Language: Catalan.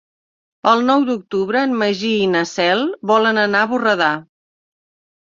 El nou d'octubre en Magí i na Cel volen anar a Borredà.